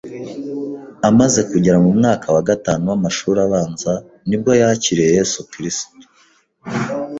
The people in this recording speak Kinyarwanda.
Amaze kugera mu mwaka wa gatanu w’amashuri abanza ni bwo yakiriye Yesu Kristo